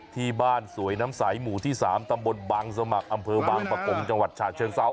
ที่บ้านสวยน้ำใสหมู่ที่๓ตำบลบางสมัครอำเภอบางประกงจังหวัดฉะเชิงเซา